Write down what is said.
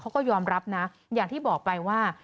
เขาก็ยอมรับนะอย่างที่บอกไปว่า